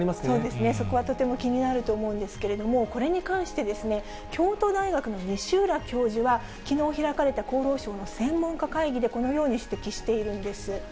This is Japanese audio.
そうですね、そこはとても気になると思うんですけど、これに関して、京都大学の西浦教授は、きのう開かれた厚労省の専門家会議で、このように指摘しているんです。